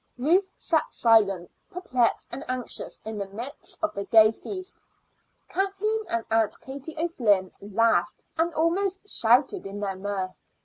Ruth sat silent, perplexed, and anxious in the midst of the gay feast. Kathleen and Aunt Katie O'Flynn laughed and almost shouted in their mirth.